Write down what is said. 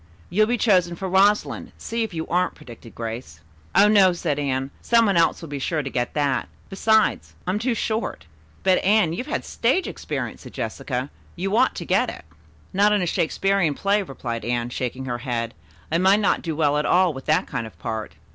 "You'll be chosen for Rosalind, see if you aren't," predicted Grace. "Oh, no," said Anne. "Some one else will be sure to get that. Besides, I'm too short." "But, Anne, you've had stage experience," said Jessica. "You ought to get it." "Not in a Shakespearian play," replied Anne, shaking her head. "I might not do well at all with that kind of part."